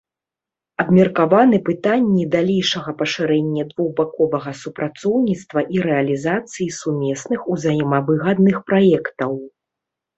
Абмеркаваны пытанні далейшага пашырэння двухбаковага супрацоўніцтва і рэалізацыі сумесных узаемавыгадных праектаў.